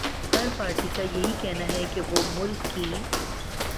ہر party کایہی کہنا ہے کہ وہ ملک کی